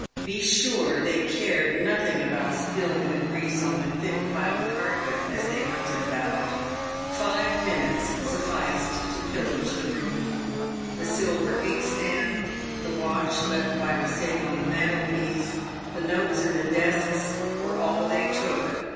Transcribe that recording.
Be sure they cared nothing about spilling the grease on the thick piled carpet as they hunted about. Five minutes sufficed to pillage the room. The silver inkstand, the watch lefb by mistake on the mantelpiece, the notes in the desks, were all they took.